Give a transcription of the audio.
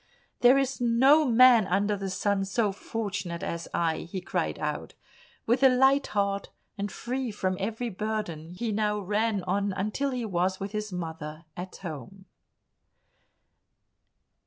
"There is no man under the sun so fortunate as I," he cried out. With a light heart and free from every burden he now ran on until he was with his mother at home.